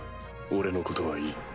俺のことはいい。